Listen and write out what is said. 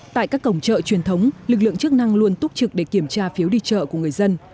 tại các cổng chợ truyền thống lực lượng chức năng luôn túc trực để kiểm tra phiếu đi chợ của người dân